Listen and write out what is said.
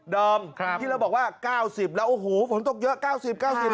อมที่เราบอกว่า๙๐แล้วโอ้โหฝนตกเยอะ๙๐๙๐บาท